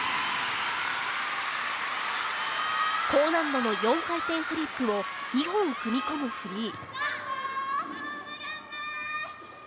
高難度の４回転フリップを２本組み込むフリー。